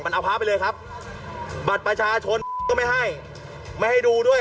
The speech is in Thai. มันเอาพระไปเลยครับบัตรประชาชนก็ไม่ให้ไม่ให้ดูด้วย